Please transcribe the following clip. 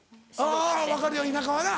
あぁ分かるよ田舎はな。